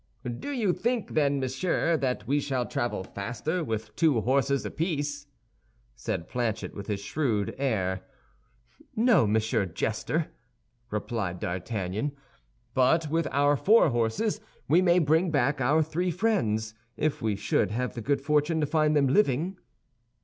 "Do you think, then, monsieur, that we shall travel faster with two horses apiece?" said Planchet, with his shrewd air. "No, Monsieur Jester," replied D'Artagnan; "but with our four horses we may bring back our three friends, if we should have the good fortune to find them living."